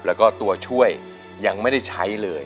แล้วก็ตัวช่วยยังไม่ได้ใช้เลย